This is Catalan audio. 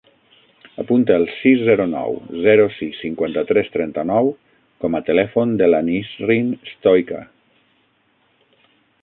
Apunta el sis, zero, nou, zero, sis, cinquanta-tres, trenta-nou com a telèfon de la Nisrin Stoica.